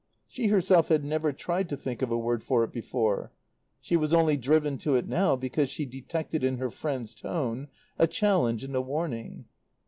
She herself had never tried to think of a word for it before; she was only driven to it now because she detected in her friend's tone a challenge and a warning.